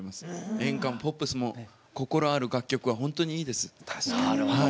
演歌もポップスも心ある楽曲は本当にいいです。